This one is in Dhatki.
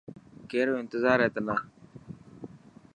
ڪيرو انتظار هي تنا.